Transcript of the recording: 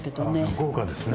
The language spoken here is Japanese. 豪華ですね。